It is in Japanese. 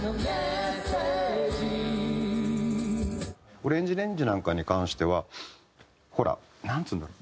ＯＲＡＮＧＥＲＡＮＧＥなんかに関してはほらなんつうんだろう